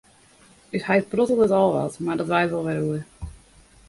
Us heit prottelet al wat, mar dat waait wol wer oer.